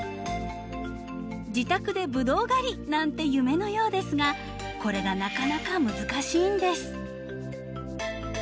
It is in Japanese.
「自宅でブドウ狩り！」なんて夢のようですがこれがなかなか難しいんです。